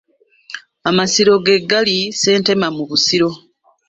Amasiro ge gali Ssentema mu Busiro.